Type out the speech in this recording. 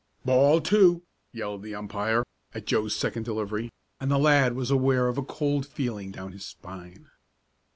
"Ball two!" yelled the umpire, at Joe's second delivery, and the lad was aware of a cold feeling down his spine.